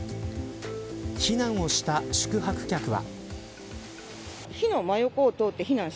避難をした宿泊客は。